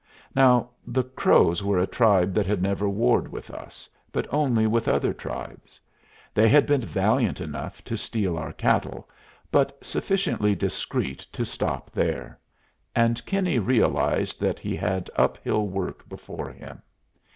Now the Crows were a tribe that had never warred with us, but only with other tribes; they had been valiant enough to steal our cattle, but sufficiently discreet to stop there; and Kinney realized that he had uphill work before him.